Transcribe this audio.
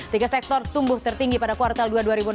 tiga sektor tumbuh tertinggi pada kuartal dua dua ribu enam belas